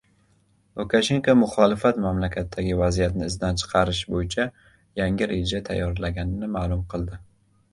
Lukashenko muxolifat mamlakatdagi vaziyatni izdan chiqarish bo‘yicha yangi reja tayyorlaganini ma’lum qildi